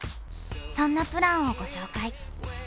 そんなプランをご紹介。